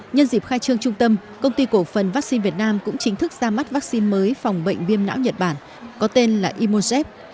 nhân dịp khai trương trung tâm công ty cổ phần vaccine việt nam cũng chính thức ra mắt vaccine mới phòng bệnh viêm não nhật bản có tên là imojet